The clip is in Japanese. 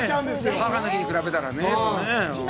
母の日に比べたらね。